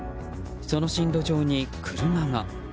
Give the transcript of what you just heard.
その進路上に車が。